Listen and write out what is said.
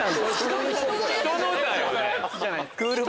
人のだよね。